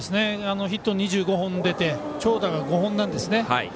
ヒット２５本出て長打が５本なんですね。